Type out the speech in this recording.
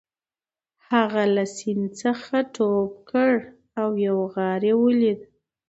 هغه له سیند څخه ټوپ کړ او یو غار یې ولید